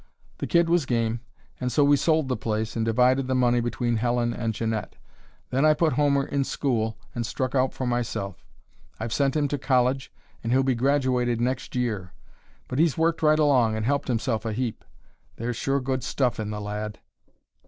The kid was game, and so we sold the place and divided the money between Helen and Jeannette. Then I put Homer in school and struck out for myself. I've sent him to college, and he'll be graduated next year. But he's worked right along, and helped himself a heap. There's sure good stuff in the lad.